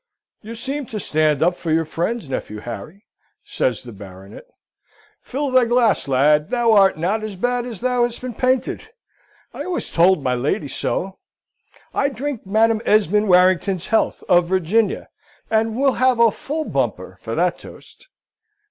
"You seem to stand up for your friends, nephew Harry," says the Baronet. "Fill thy glass, lad, thou art not as bad as thou hast been painted. I always told my lady so. I drink Madam Esmond Warrington's health, of Virginia, and will have a full bumper for that toast."